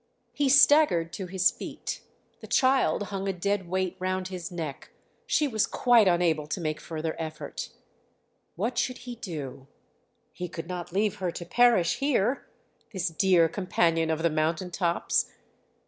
He staggered to his feet; the child hung a dead weight round his neck, she was quite unable to make further effort. What should he do? He could not leave her to perish here, this dear companion of the mountain tops!